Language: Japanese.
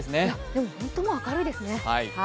でも、本当にもう明るいですね。